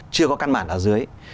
chưa có căn bản ở dưới